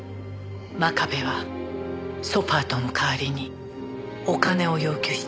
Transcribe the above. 真壁はソパートの代わりにお金を要求してきた。